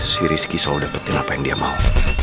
si rizky sudah dapetin apa yang dia mau